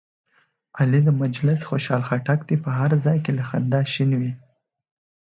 علي د مجلس خوشحال خټک دی، په هر ځای کې له خندا شین وي.